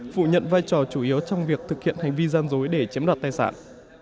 phủ nhận vai trò chủ yếu trong việc thực hiện hành vi gian dối để chiếm đoạt tài sản